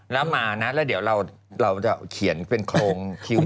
แล้วมานะแล้วเดี๋ยวเราจะเขียนเป็นโครงคิว